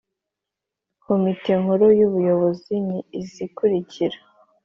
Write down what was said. Komite Nkuru y Ubuyobozi ni izikurikira